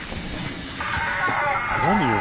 何よ？